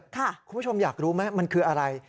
คุณผู้ชมอยากรู้ไหมมันคืออะไร